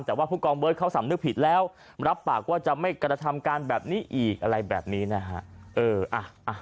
แต่ว่าผู้กองเบิร์ตเขาสำนึกผิดแล้วรับปากว่าจะไม่กระทำการแบบนี้อีกอะไรแบบนี้นะฮะ